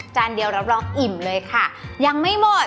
เดียวรับรองอิ่มเลยค่ะยังไม่หมด